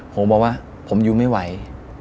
ผมบอกว่าผมอยู่ไม่ไหว